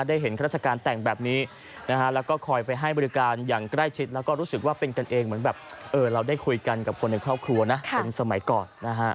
ได้เห็นข้าราชการแต่งแบบนี้นะฮะแล้วก็คอยไปให้บริการอย่างใกล้ชิดแล้วก็รู้สึกว่าเป็นกันเองเหมือนแบบเราได้คุยกันกับคนในครอบครัวนะเป็นสมัยก่อนนะฮะ